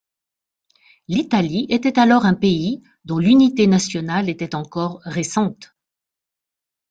L'Italie était alors un pays dont l'unité nationale était encore récente.